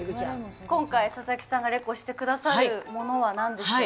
今回、佐々木さんがレコしてくださるものは何でしょう？